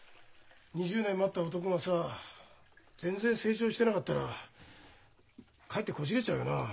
２０年待った男がさ全然成長してなかったらかえってこじれちゃうよな。